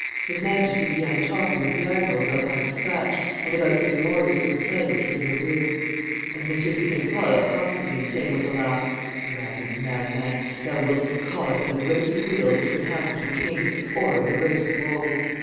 His Majesty began talking with the admiral about my despatch and about giving orders for the pay which was in arrears. And M. de St. Pol accosted me, saying with a laugh, 'Rabid madman, thou wilt be cause of the greatest weal that could happen to the king, or of the greatest woe.